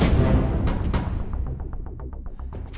buka vicky bukan anaknya afif